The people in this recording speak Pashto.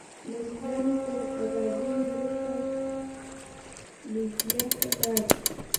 له زندانه تر ازادېدو وروسته لیبیا ته لاړ.